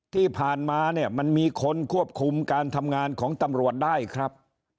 ที่ผ่านมาเนี่ยมันมีคนควบคุมการทำงานของตำรวจได้ครับ